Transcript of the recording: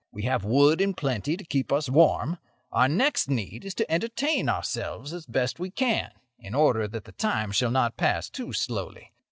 We have wood in plenty to keep us warm. Our next need is to entertain ourselves as best we can, in order that the time shall not pass too slowly.